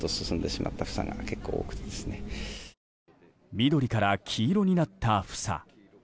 緑から黄色になった房。